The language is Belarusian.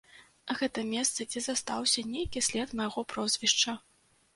Гэта месца, дзе застаўся нейкі след майго прозвішча.